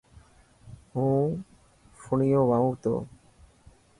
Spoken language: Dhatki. هون فڻنيون وائون تو.